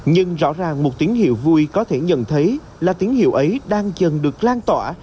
nhưng rõ ràng một tiếng hiệu vui có thể nhận thấy là tiếng hiệu ấy đang dần được lan tỏa